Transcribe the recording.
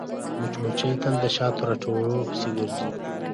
مچمچۍ تل د شاتو راټولولو پسې ګرځي